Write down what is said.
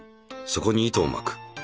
そこに糸を巻く。